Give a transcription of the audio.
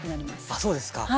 あそうですか。